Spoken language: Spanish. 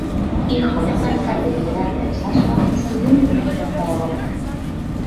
Hijo de un alcalde liberal de Alsasua, estudió medicina en Zaragoza.